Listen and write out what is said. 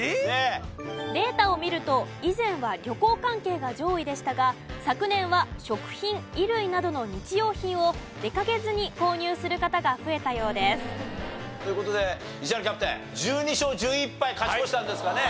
データを見ると以前は旅行関係が上位でしたが昨年は食品衣類などの日用品を出かけずに購入する方が増えたようです。という事で石原キャプテン１２勝１１敗勝ち越したんですかね。